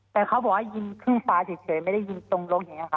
แต่เขาบอกว่ายิงขึ้นฟ้าเฉยไม่ได้ยิงตรงลงอย่างนี้ค่ะ